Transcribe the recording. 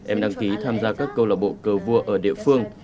em đăng ký tham gia các câu lạc bộ cờ vua ở địa phương